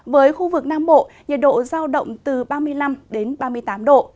với khu vực nam bộ nhiệt độ giao động từ ba mươi năm đến ba mươi tám độ